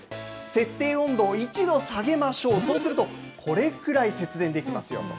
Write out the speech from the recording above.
設定温度を１度下げましょう、そうすると、これくらい節電できますよと。